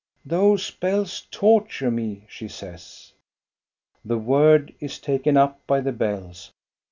"Those bells torture me," she says. The word is taken up by the bells.